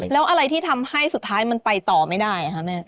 แล้วอะไรที่ทำให้สุดท้ายมันไปต่อไม่ได้ค่ะแม่